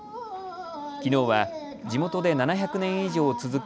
きのうは地元で７００年以上続く